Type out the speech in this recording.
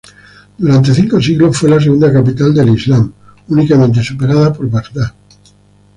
Durante cinco siglos fue la segunda capital del Islam, únicamente superada por Bagdad.